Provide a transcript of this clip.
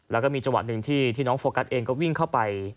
แล้วก็มีจังหวะหนึ่งที่น้องโฟกัสเองก็วิ่งเข้าไป